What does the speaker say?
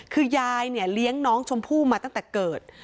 คือยายเนี่ยเลี้ยงน้องชมพู่มาตั้งแต่เกิด